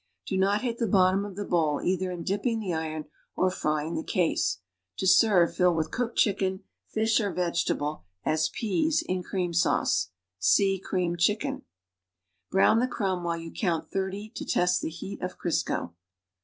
Uo not hit the bottom of the bowl either in dipping the iron or frying the case. To serve, fill with cooked chicken, fish or vegetable (as peas) in cream sauce. (See Creamed Chicken). Brown the crumb while you count thirty to test the heat of Crisco.